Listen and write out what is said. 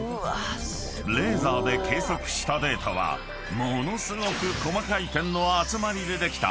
［レーザーで計測したデータはものすごく細かい点の集まりでできた